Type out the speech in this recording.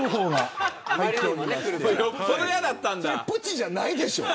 それ、プチじゃないでしょう。